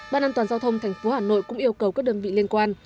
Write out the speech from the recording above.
ban an toàn giao thông thành phố hà nội cũng yêu cầu các đơn vị liên quan